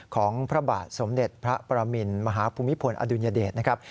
ของพระบาทสมเด็จพระประมินมหาภูมิพลอดุลยเดชนะครับ